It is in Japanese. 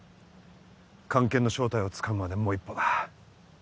菅研の正体をつかむまでもう一歩だ。